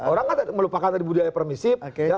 orang kan melupakan tadi budaya permisif